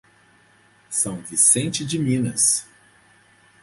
São Vicente de Minas